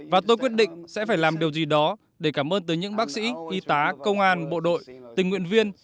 và tôi quyết định sẽ phải làm điều gì đó để cảm ơn tới những bác sĩ y tá công an bộ đội tình nguyện viên